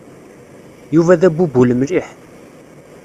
Yuba d abubul mliḥ.